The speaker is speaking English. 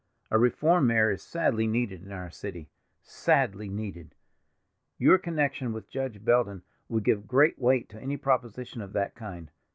A reform mayor is sadly needed in our city—sadly needed. Your connection with Judge Belden would give great weight to any proposition of that kind.